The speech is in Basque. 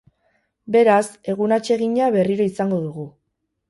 Beraz, egun atsegina berriro izango dugu.